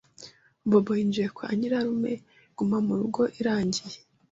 Bob yinjiye kwa nyirarume gumamurugo irangiye